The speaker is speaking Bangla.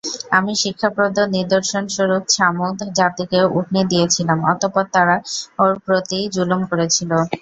আমি শিক্ষাপ্রদ নিদর্শনস্বরূপ ছামূদ জাতিকে উটনী দিয়েছিলাম, অতঃপর তারা ওর প্রতি জুলম করেছিল।